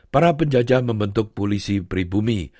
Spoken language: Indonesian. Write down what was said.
para penjajah membentuk polisi pribumi